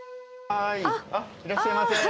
いらっしゃいませ。